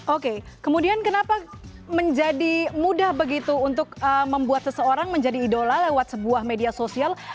oke kemudian kenapa menjadi mudah begitu untuk membuat seseorang menjadi idola lewat sebuah media sosial